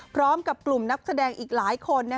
พร้อมกับกลุ่มนักแสดงอีกหลายคน